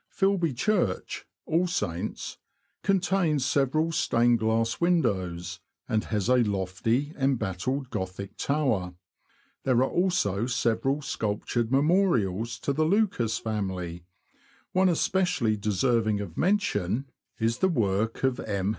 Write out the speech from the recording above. Filby Church (All Saints') contains several stained glass windows, and has a lofty, embattled Gothic tower. There are also several sculptured memorials to the Lucas family ; one especially deserving of mention is the work of M.